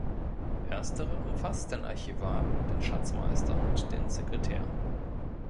Erstere umfasst den "Archivar", den "Schatzmeister" und den "Sekretär".